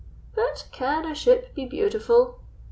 "But can a ship be beautiful?"